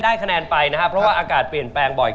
ได้คะแนนไปนะครับนะครับ